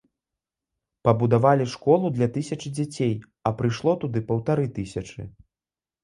Пабудавалі школу для тысячы дзяцей, а прыйшло туды паўтары тысячы.